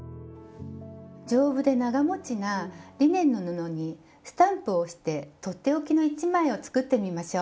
丈夫で長もちなリネンの布にスタンプを押して取って置きの１枚を作ってみましょう。